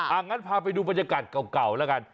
งั้นพาไปดูบรรยากาศเก่าแล้วกัน